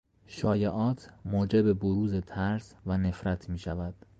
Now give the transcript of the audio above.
شایعات موجب بروز ترس و نفرت میشود.